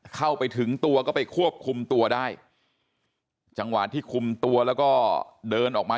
เข้าไปถึงตัวก็ไปควบคุมตัวได้จังหวะที่คุมตัวแล้วก็เดินออกมา